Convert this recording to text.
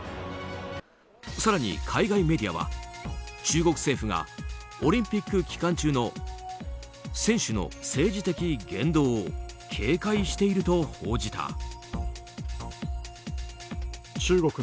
更に海外メディアは中国政府がオリンピック期間中の選手の政治的言動を警戒していると報じた。